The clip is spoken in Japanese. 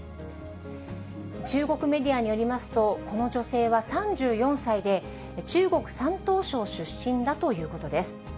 中国メディアによりますと、この女性は３４歳で、中国・山東省出身だということです。